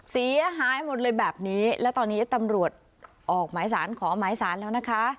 เสียหายหมดเลยแบบนี้และตอนนี้ตำรวจออกหมายสารขอหมายสารแล้วนะคะ